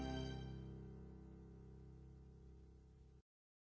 สวัสดีครับทุกคน